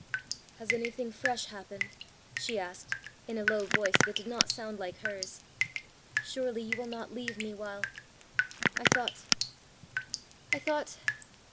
"Has anything fresh happened?" she asked, in a low voice that did not sound like hers. "Surely you will not leave me while . I thought I thought